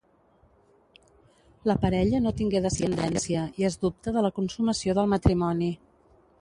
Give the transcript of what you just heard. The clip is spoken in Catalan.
La parella no tingué descendència i es dubte de la consumació del matrimoni.